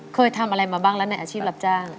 เคยทำอะไรมาบ้างแล้วในอาชีพรับจ้าง